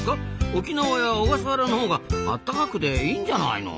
沖縄や小笠原のほうがあったかくていいんじゃないの？